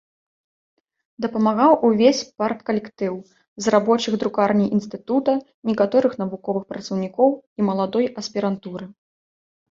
Дапамагаў увесь парткалектыў з рабочых друкарні інстытута, некаторых навуковых працаўнікоў і маладой аспірантуры.